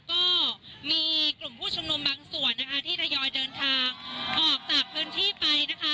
ก็มีกลุ่มผู้ชุมนุมบางส่วนนะคะที่ทยอยเดินทางออกจากพื้นที่ไปนะคะ